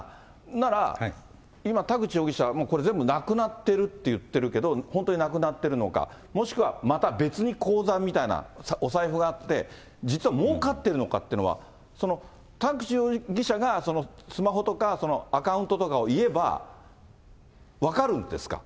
なら、今、田口容疑者はもうこれ全部なくなってるって言ってるけど、本当になくなってるのか、もしくはまた別に口座みたいな、お財布があって、実はもうかってるのかっていうのは、田口容疑者がスマホとかアカウントとかを言えば、分かるんですか？